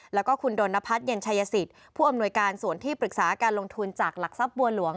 แล้วก็คุณดนพัฒน์เย็นชายสิทธิ์ผู้อำนวยการส่วนที่ปรึกษาการลงทุนจากหลักทรัพย์บัวหลวง